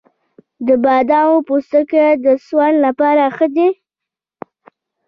د بادامو پوستکی د سون لپاره ښه دی؟